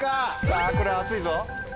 さぁこれは熱いぞ！